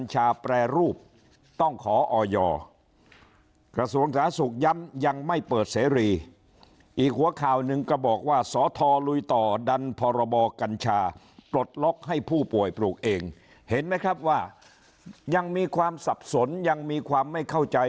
เห็นไหมครับว่ายังมีความสับสนยังมีความไม่เข้าใจ